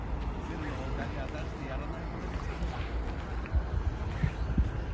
千の他には出してやらないことにしたんだ。